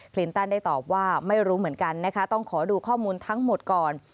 ลินตันได้ตอบว่าไม่รู้เหมือนกันนะคะต้องขอดูข้อมูลทั้งหมดก่อน